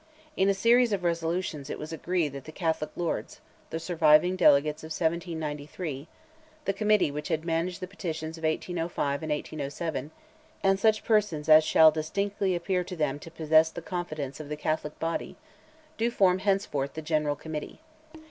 In a series of resolutions it was agreed that the Catholic lords, the surviving delegates of 1793, the committee which managed the petitions of 1805 and 1807, and such persons "as shall distinctly appear to them to possess the confidence of the Catholic body," do form henceforth the General Committee.